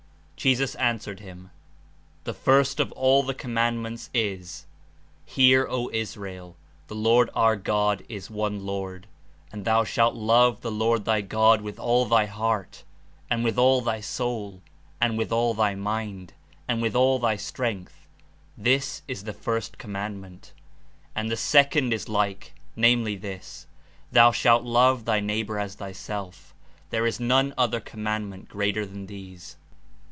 Jesus answered him, ''The first of all the commandments is, Hear, O Israel; The Lord our God is one Lord: And thou shalt love the Lord thy God with all thy heart, and with all thy soul, and with all thy mind, and with all thy strength: this is the first command ment. And the second is like, namely this, Thou shalt love thy neighbor as thyself. There is none other commandment greater than these.''